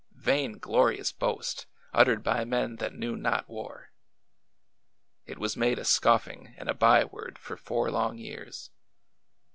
Vain glorious boast uttered by men that knew not war! It was made a scoffing and a byword for four long years.